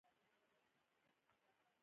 • د زړو کسانو لپاره په صحنه کې څوکۍ کښېږده.